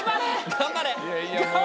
頑張れ！